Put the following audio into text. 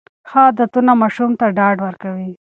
ښه عادتونه ماشوم ته ډاډ ورکوي.